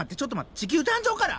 地球誕生から？